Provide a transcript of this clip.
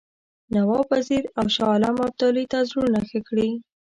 نواب وزیر او شاه عالم ابدالي ته زړونه ښه کړي.